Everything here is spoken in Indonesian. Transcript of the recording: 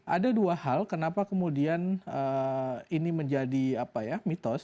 ada dua hal kenapa kemudian ini menjadi mitos